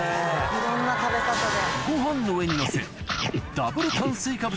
いろんな食べ方で。